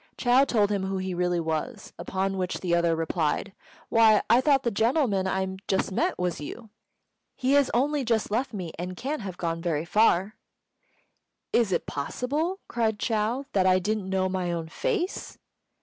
Chou told him who he really was; upon which the other replied, "Why, I thought the gentleman I just met was you! He has only just left me, and can't have got very far." "Is it possible," cried Chou, "that I didn't know my own face?"